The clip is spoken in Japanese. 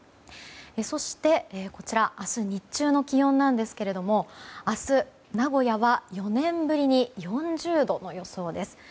そして、こちら明日日中の気温ですが明日、名古屋は４年ぶりに４０度の予想です。